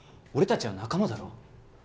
俺たちは仲間だろ？